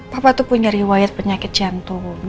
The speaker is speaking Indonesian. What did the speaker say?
papa itu punya riwayat penyakit jantung